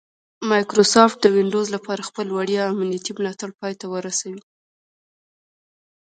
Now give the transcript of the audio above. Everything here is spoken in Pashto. مایکروسافټ د ونډوز لپاره خپل وړیا امنیتي ملاتړ پای ته ورسوي